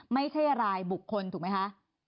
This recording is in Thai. ไม่ใช่รายบุคคลถูกไหมคะ